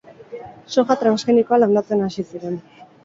Soja transgenikoa landatzen hasi ziren.